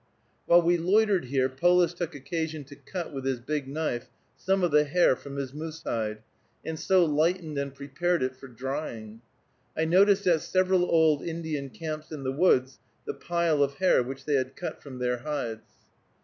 While we loitered here, Polis took occasion to cut with his big knife some of the hair from his moose hide, and so lightened and prepared it for drying. I noticed at several old Indian camps in the woods the pile of hair which they had cut from their hides.